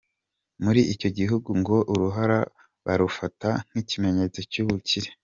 Muri icyo gihugu ngo uruhara barufata nk’ikimenyetso cy’ubukire.